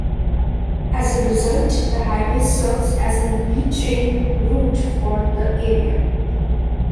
As a result, the highway serves as a "B-Train" route for the area.